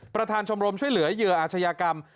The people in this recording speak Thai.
ประธานชมรมช่วยเหลือเหยื่ออาชญากรรม